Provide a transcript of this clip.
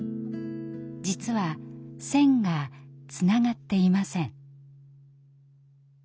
実は線がつながっていません。